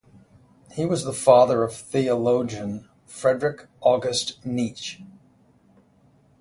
He was the father of theologian Friedrich August Nitzsch.